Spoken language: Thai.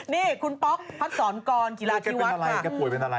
นี่คุณป๊อกพัทรสอนกรณ์กีฬาที่วัดค่ะ